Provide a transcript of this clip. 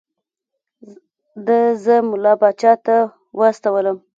ده زه ملا پاچا ته واستولم.